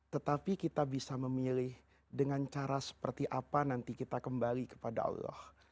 tetapi kita bisa memilih dengan cara seperti apa nanti kita kembali kepada allah